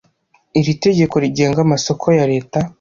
Iri tegeko rigenga amasoko ya leta